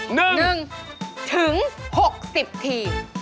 หนึ่งหนึ่งถึง๖๐ที